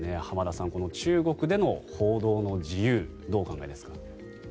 浜田さん、この中国での報道の自由どうお考えですか？